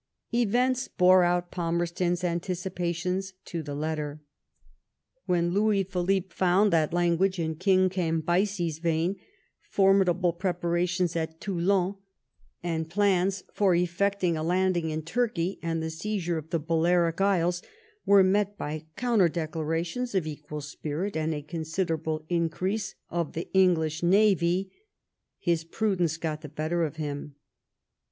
Events bore out Falmerston's anticipations to the letter. When Louis Philippe found that language in King Cambyses' vein, formidable preparations at Toulon, and plans for efiecting a landing in Turkey, and the seizure of the Balearic Isles, were met by counter decla rations of equal spirit and a considerable increase of the English navy, his prudence got the better of him.